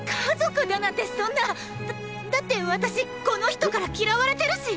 だっだって私この人から嫌われてるしッ！！